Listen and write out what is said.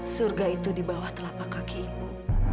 surga itu di bawah telapak kaki ibu